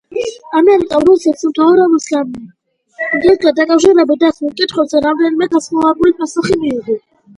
ამერიკამ რუსეთს მთავრობისგან მთასთან დაკავშირებით დასმულ კითხვებზე რამდენიმე განსხვავებული პასუხი მიიღო.